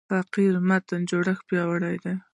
فقره د متن جوړښت پیاوړی کوي.